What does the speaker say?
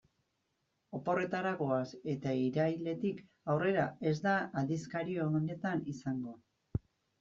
Oporretara goaz eta irailetik aurrera ez da aldizkari honetan izango.